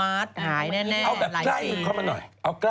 เอาแบบใกล้เข้ามาหน่อย